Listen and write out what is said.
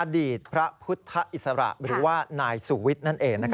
อดีตพระพุทธอิสระหรือว่านายสุวิทย์นั่นเอง